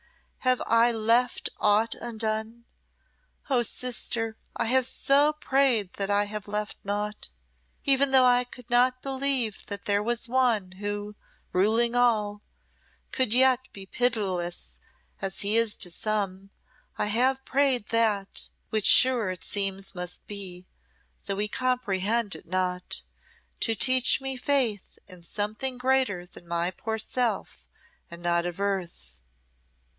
Have I left aught undone? Oh, sister, I have so prayed that I left naught. Even though I could not believe that there was One who, ruling all, could yet be pitiless as He is to some, I have prayed That which sure it seems must be, though we comprehend it not to teach me faith in something greater than my poor self, and not of earth.